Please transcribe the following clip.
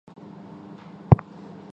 在今海南省中南部。